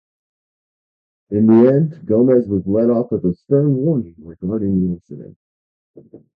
In the end, Gomez was let off with a "stern warning" regarding the incident.